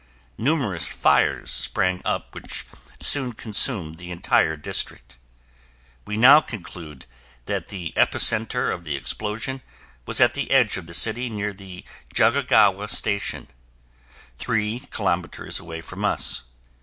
Numerous fires sprang up which soon consumed the entire district. We now conclude that the epicenter of the explosion was at the edge of the city near the Jokogawa Station, three kilometers away from us.